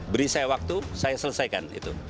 beri saya waktu saya selesaikan itu